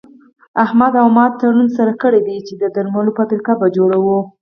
احمد او ما تړون سره کړی دی چې د درملو فابريکه به جوړوو.